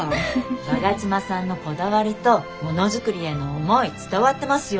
我妻さんのこだわりとものづくりへの思い伝わってますよ。